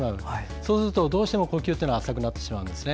そうすると、どうしても呼吸は浅くなってしまうんですね。